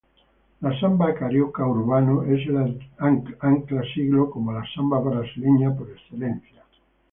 El samba carioca urbano es el ancla siglo como la "samba brasileña" por excelencia.